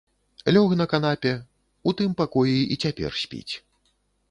Лёг на канапе, у тым пакоі і цяпер спіць.